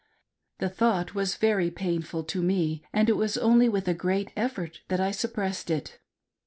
The thought was very painful to me, and it was only with a great effort tha/t I. sup pressed it.